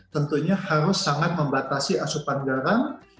tentunya harus sangat membatasi asupan garam